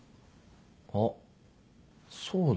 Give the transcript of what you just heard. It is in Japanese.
あっそうだ。